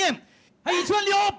はい１万両！